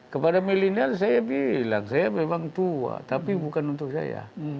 kepada milenial saya bilang saya memang tua tapi bukan untuk saya